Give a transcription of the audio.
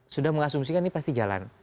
sudah mengasumsikan ini pasti jalan